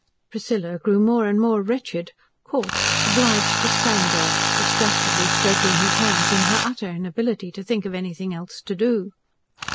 Priscilla grew more and more wretched, caught, obliged to stand there, distractedly stroking his hands in her utter inability to think of anything else to do.